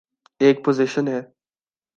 ایک پوزیشن ہے۔